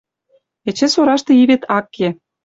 Эче Сурашты и вет ак ке.